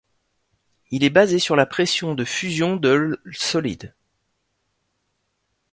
Il est basé sur la pression de fusion de l' solide.